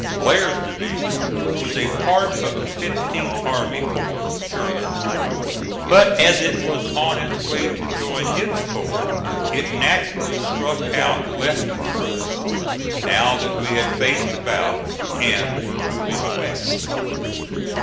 Blair's division was a part of the 15th army corps (Sherman's); but as it was on its way to join its corps, it naturally struck our left first, now that we had faced about and were moving west.